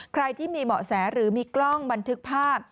ใครที่มีเบาะแสหรือมีกล้องบันทึกภาพ